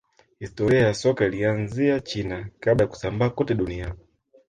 historia ya soka ilianzia china kabla ya kusambaa kote duniani